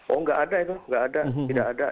oh nggak ada itu nggak ada